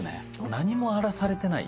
何も荒らされてない